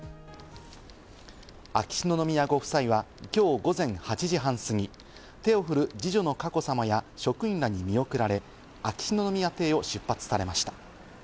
秋篠宮ご夫妻はきょう午前８時半過ぎ、手を振る二女の佳子さまや職員らに見送られ、秋篠宮邸を出発されました。